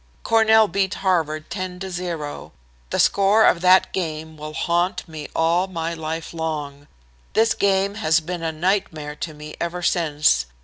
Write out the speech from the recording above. Cornell beat Harvard 10 to 0. The score of that game will haunt me all my life long. This game has been a nightmare to me ever since.